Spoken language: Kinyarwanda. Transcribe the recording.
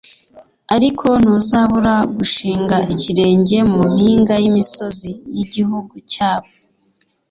ariko ntuzabura gushinga ikirenge mu mpinga y’imisozi y’igihugu cyabo.»